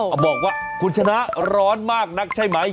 เขาบอกว่าคุณชนะร้อนมากนักใช่ไหม